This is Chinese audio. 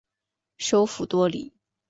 首府多里。